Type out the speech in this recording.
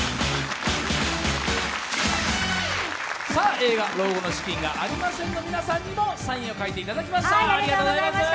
映画「老後の資金がありません！」の皆さんにもサインを書いていただきました、ありがとうございます。